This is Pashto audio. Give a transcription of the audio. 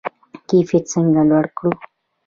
کیفیت څنګه لوړ کړو؟